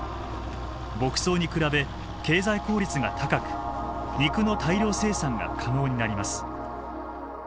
牧草に比べ経済効率が高く肉の大量生産が可能になります。